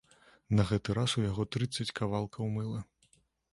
На гэты раз у яго трыццаць кавалкаў мыла.